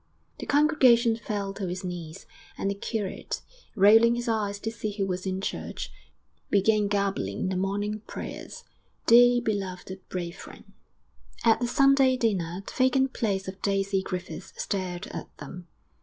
The congregation fell to its knees, and the curate, rolling his eyes to see who was in church, began gabbling the morning prayers 'Dearly beloved brethren.' ... II At the Sunday dinner, the vacant place of Daisy Griffith stared at them.